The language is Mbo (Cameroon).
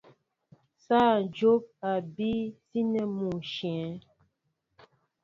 Sááŋ dyóp a bííy síní mɔ ǹshyə̂.